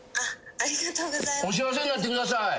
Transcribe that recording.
お幸せになってください。